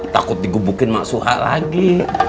takut digubukin maksuha lagi